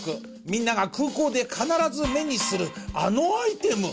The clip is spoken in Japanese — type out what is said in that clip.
みんなが空港で必ず目にするあのアイテム。